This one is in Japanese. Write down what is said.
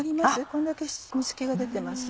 こんだけ水気が出てます。